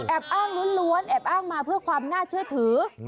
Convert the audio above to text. อ้างล้วนแอบอ้างมาเพื่อความน่าเชื่อถือ